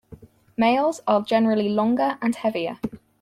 Males are generally longer and heavier.